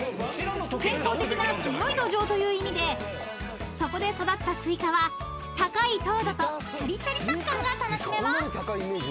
［健康的な強い土壌という意味でそこで育ったすいかは高い糖度とシャリシャリ食感が楽しめます］